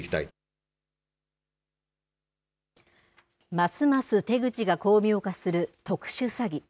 ますます手口が巧妙化する特殊詐欺。